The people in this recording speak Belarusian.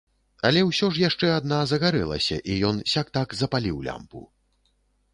Але ўсё ж яшчэ адна загарэлася, і ён сяк-так запаліў лямпу.